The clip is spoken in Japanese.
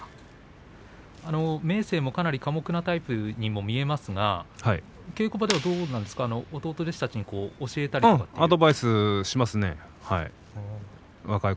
明生もかなり寡黙なタイプにも見えますが稽古場ではどうですか弟弟子たちに教えたりしますか。